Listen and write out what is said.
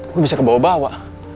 gue bisa kebawa bawa